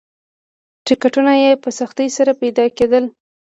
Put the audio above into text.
ټکټونه یې په سختۍ سره پیدا کېدل.